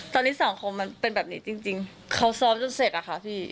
ตอนนี้สังคมมันเป็นแบบนี้จริงเขาซ้อมจนเสร็จอะค่ะพี่